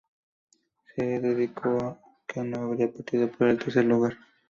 Se decidió que no habría partido por el tercer lugar.